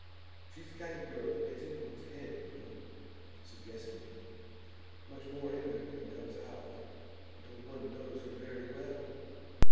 She's the kind of girl that gets into one's head, you know suggestive; much more in her than comes out until one knows her very well.